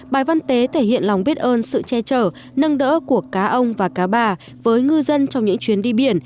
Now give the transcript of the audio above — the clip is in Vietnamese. bài văn tế thể hiện lòng biết ơn sự che chở nâng đỡ của cá ông và cá bà với ngư dân trong những chuyến đi biển